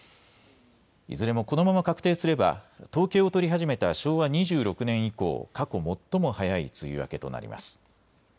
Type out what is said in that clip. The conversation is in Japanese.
いずれもこのまま確定すれば統計を取り始めた昭和２６年以降、過去最も早い梅雨明けとなります。